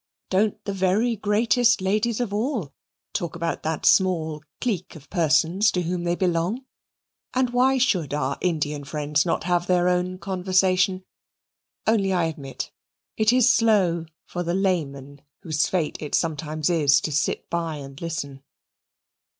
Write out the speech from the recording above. Don't the very greatest ladies of all talk about that small clique of persons to whom they belong? And why should our Indian friends not have their own conversation? only I admit it is slow for the laymen whose fate it sometimes is to sit by and listen.